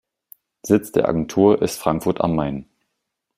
Sitz der Agentur ist Frankfurt am Main.